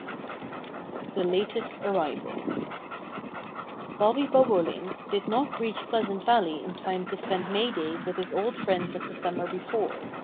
II THE LATEST ARRIVAL BOBBY BOBOLINK did not reach Pleasant Valley in time to spend May Day with his old friends of the summer before.